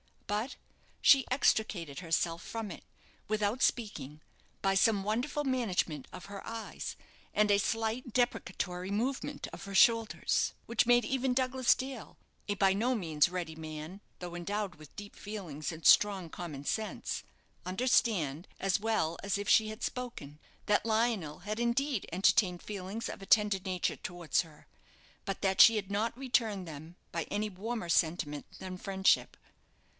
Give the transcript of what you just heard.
But she extricated herself from it, without speaking, by some wonderful management of her eyes, and a slight deprecatory movement of her shoulders, which made even Douglas Dale, a by no means ready man, though endowed with deep feelings and strong common sense, understand, as well as if she had spoken, that Lionel had indeed entertained feelings of a tender nature towards her, but that she had not returned them by any warmer sentiment than friendship.